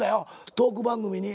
「トーク番組に！」